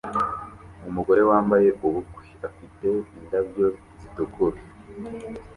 Umugore wambaye ubukwe afite indabyo zitukura